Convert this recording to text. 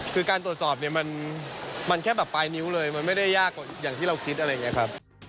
คือการตรวจสอบเนี่ยมันแค่แบบปลายนิ้วเลยมันไม่ได้ยากอย่างที่เราคิดอะไรอย่างนี้ครับ